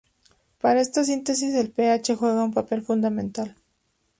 Para esta síntesis, el pH juega un papel fundamental.